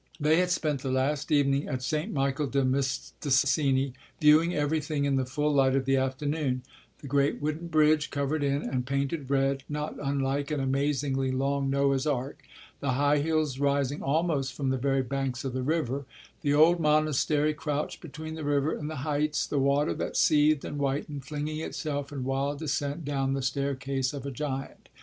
They had spent the last evening at St. Michel de Mistassini viewing everything in the full light of the afternoon: the great wooden bridge, covered in and painted red, not unlike an amazingly long Noah's ark; the high hills rising almost from the very banks of the river, the old monastery crouched between the river and the heights, the water that seethed and whitened, flinging itself in wild descent down the staircase of a giant.